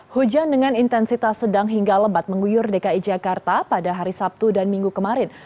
hujan dengan intensitas sedang hingga lebat mengguyur dki jakarta pada hari sabtu dan minggu kemarin